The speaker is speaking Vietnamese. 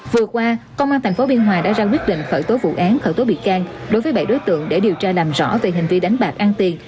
vừa qua công an tp biên hòa đã ra quyết định khởi tố vụ án khởi tố bị can đối với bảy đối tượng để điều tra làm rõ về hành vi đánh bạc ăn tiền